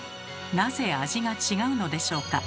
なぜ味が違うのでしょうか？